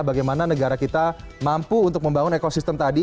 bagaimana negara kita mampu untuk membangun ekosistem tadi